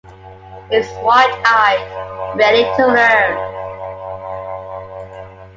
He's wide-eyed, ready to learn.